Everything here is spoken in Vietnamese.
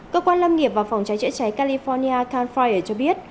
cơ quan lâm nghiệp và phòng cháy chữa cháy california canfire cho biết